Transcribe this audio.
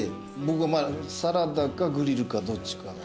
僕サラダかグリルかどっちか。